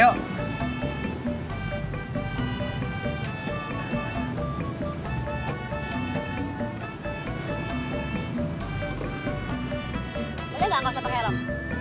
boleh gak gak usah pake helm